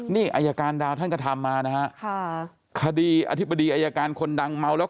นี่อายการดาวท่านก็ทำมานะฮะค่ะคดีอธิบดีอายการคนดังเมาแล้ว